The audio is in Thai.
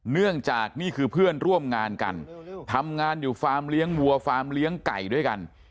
เนื่องจากนี่คือเพื่อนร่วมงานกันทำงานอยู่ฟาร์มเลี้ยงวัวฟาร์มเลี้ยงไก่ด้วยกัน